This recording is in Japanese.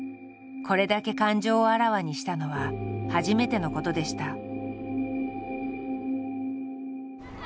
これだけ感情をあらわにしたのは初めてのことでした。